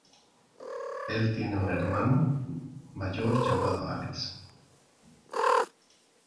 Él tiene un hermano mayor llamado Alex.